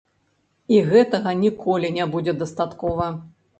І гэтага ніколі не будзе дастаткова.